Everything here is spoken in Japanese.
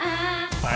はい。